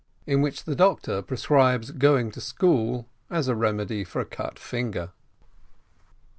IN WHICH THE DOCTOR PRESCRIBES GOING TO SCHOOL AS A REMEDY FOR A CUT FINGER.